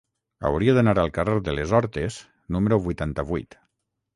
Hauria d'anar al carrer de les Hortes número vuitanta-vuit.